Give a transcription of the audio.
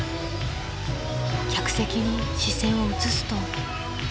［客席に視線を移すと］